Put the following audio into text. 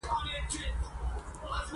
د خپلې غوړېدلې راتلونکې په ښه یې راولو